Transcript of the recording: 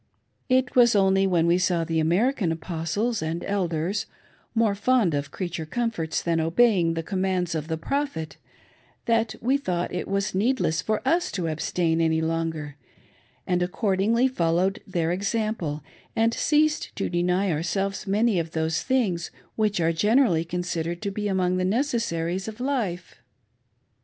It was pnly when we saw the American Apostles qnd Elders — more fond of creature comforts than obeying the commands of the Prophet — that we thought it was needless^ for us abstain any longer ; and accordingly foUowed their ex ample, and ceased to deny ourselves many of those things which are generally considered to be among the necessaries of IJfci.